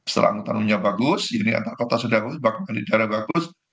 setelah angkutan umumnya bagus ini antar kota sudah bagus bahkan di daerah bagus